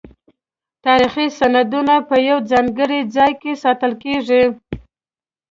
تاریخي سندونه په یو ځانګړي ځای کې ساتل کیږي.